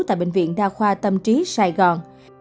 tại bệnh viện đa khoa tâm trí sài gòn